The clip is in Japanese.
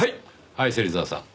はい芹沢さん。